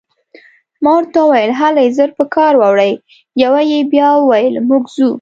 ما ورته وویل: هلئ، ژر په کار واوړئ، یوه یې بیا وویل: موږ ځو.